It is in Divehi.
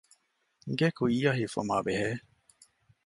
ގެ ކުއްޔަށް ހިފުމާބެހޭ